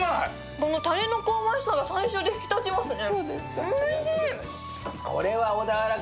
このたれの香ばしさが最初に引き立ちますね。